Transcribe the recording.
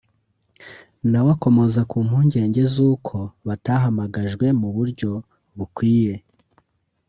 nawe akomoza ku mpungenge z’uko batahamagajwe mu buryo bukwiye